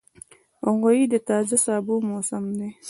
غویی د تازه سابو موسم دی.